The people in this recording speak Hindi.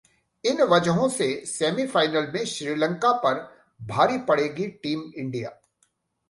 ...इन वजहों से सेमीफाइनल में श्रीलंका पर भारी पड़ेगी टीम इंडिया